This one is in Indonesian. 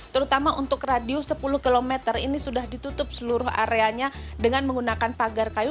terutama untuk radius sepuluh km ini sudah ditutup seluruh areanya dengan menggunakan pagar kayu